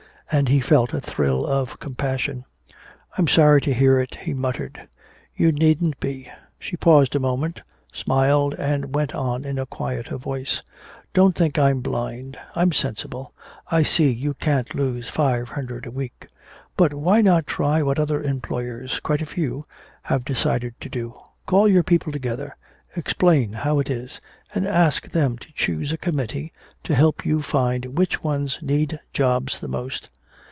And he felt a thrill of compassion. "I'm sorry to hear it," he muttered. "You needn't be." She paused a moment, smiled and went on in a quieter voice: "Don't think I'm blind I'm sensible I see you can't lose five hundred a week. But why not try what other employers, quite a few, have decided to do? Call your people together, explain how it is, and ask them to choose a committee to help you find which ones need jobs the most.